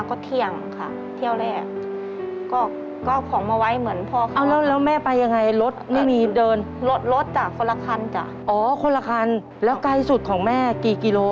อ๋อคนละครันแล้วใกล้สุดของแม่กี่กิโล